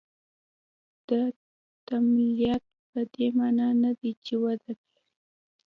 دا تمایلات په دې معنا نه دي چې وده نه لري.